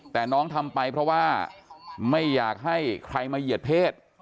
แต่น้องทำไปเพราะว่าไม่อยากให้ใครมาเหยียดเพศ